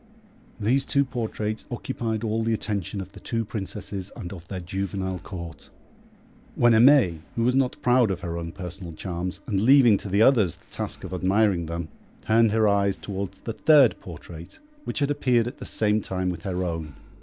These two portraits occupied all the attention of the two Princesses and of their juvenile Court, when Aimée, who was not proud of her own personal charms, and leaving to the others the task of admiring them, turned her eyes towards the third portrait, which had appeared at the same time with her own.